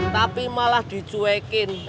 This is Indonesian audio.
tapi malah dicuekin